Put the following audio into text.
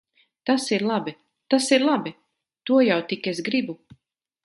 Tas ir labi! Tas ir labi! To jau tik es gribu.